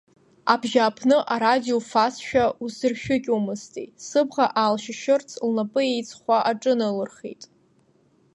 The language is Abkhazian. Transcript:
Абжьааԥны арадио уфазшәа усзыршәыкьуамызти, сыбӷа аалшьшьырц лнапы еиҵхәа аҿыналырхеит.